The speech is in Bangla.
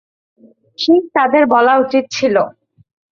ঠিক, তাদের বলা উচিত ছিলো।